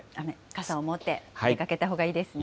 傘を持って出かけたほうがいいですね。